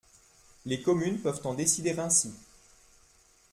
Les communes peuvent en décider ainsi.